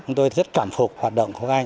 chúng tôi rất cảm phục hoạt động của các anh